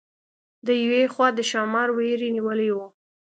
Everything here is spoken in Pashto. د یوې خوا د ښامار وېرې نیولې وه.